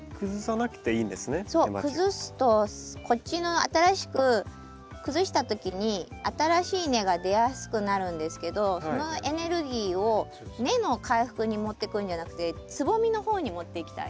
くずすとこっちの新しくくずした時に新しい根が出やすくなるんですけどそのエネルギーを根の回復に持ってくんじゃなくてつぼみの方に持っていきたい。